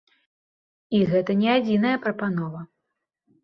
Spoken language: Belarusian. І гэта не адзіная прапанова.